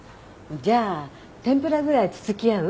じゃあ天ぷらぐらいつつき合う？